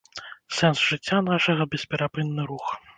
Сэнс жыцця нашага ‒ бесперапынны рух